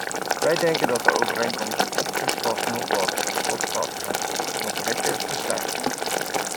Wij vinden dat de overeenkomst opgeschort moet worden totdat het conflict is beslecht.